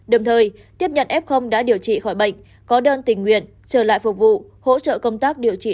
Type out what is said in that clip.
đồng thời tiếp nhận f đã điều trị khỏi bệnh có đơn tình nguyện trở lại phục vụ hỗ trợ công tác điều trị